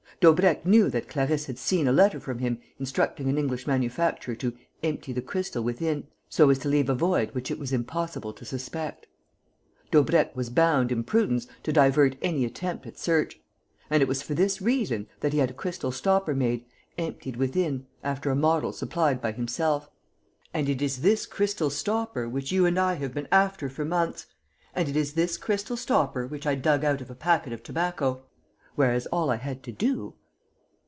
Daubrecq knew that Clarisse had seen a letter from him instructing an English manufacturer to 'empty the crystal within, so as to leave a void which it was unpossible to suspect.' Daubrecq was bound, in prudence, to divert any attempt at search. And it was for this reason that he had a crystal stopper made, 'emptied within,' after a model supplied by himself. And it is this crystal stopper which you and I have been after for months; and it is this crystal stopper which I dug out of a packet of tobacco. Whereas all I had to do...."